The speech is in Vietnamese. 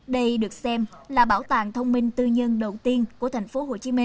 đây được xem là bảo tàng thông minh tư nhân đầu tiên của thành phố